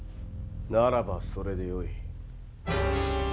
ならばそれでよい。